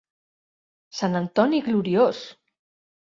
Sant Antoni gloriós!